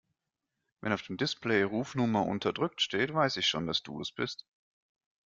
Wenn auf dem Display "Rufnummer unterdrückt" steht, weiß ich schon, dass du es bist.